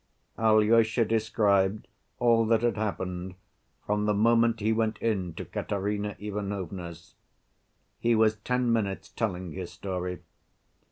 Alyosha described all that had happened from the moment he went in to Katerina Ivanovna's. He was ten minutes telling his story.